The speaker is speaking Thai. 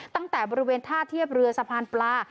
ตั้งแต่บริเวณท่าเทียบเรือสะพานปลา